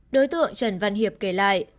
đối tượng trần văn hiệp kể lại